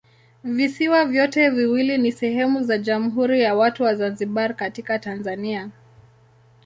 Visiwa vyote viwili ni sehemu za Jamhuri ya Watu wa Zanzibar katika Tanzania.